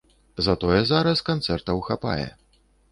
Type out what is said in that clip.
Затое зараз канцэртаў хапае.